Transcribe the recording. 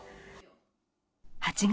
８月、